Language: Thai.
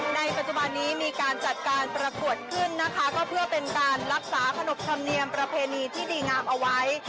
ในปัจจุบันนี้มีการจัดการประกวดขึ้นนะคะก็เพื่อเป็นการรักษาขนบธรรมเนียมประเพณีที่ดีงามเอาไว้